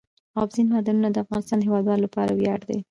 اوبزین معدنونه د افغانستان د هیوادوالو لپاره ویاړ دی.